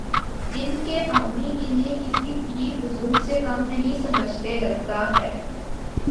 ان کے حامی انہیں کسی پیر بزرگ سے کم نہیں سمجھتے، لگتا ہے۔